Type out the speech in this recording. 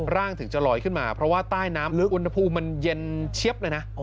ถึงจะลอยขึ้นมาเพราะว่าใต้น้ำลึกอุณหภูมิมันเย็นเชียบเลยนะ